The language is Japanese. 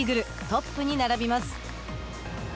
トップに並びます。